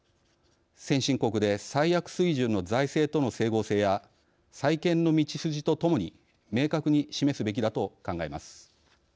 先進国で最悪水準の財政との整合性や再建の道筋とともに明確に示すべきだと考えます。